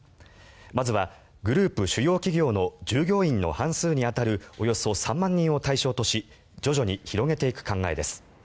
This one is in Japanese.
まずはグループ主要企業の従業員の半数に当たるおよそ３万人を対象にし徐々に広げていく考えです。